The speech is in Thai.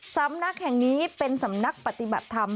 สำนักแห่งนี้เป็นสำนักปฏิบัติธรรม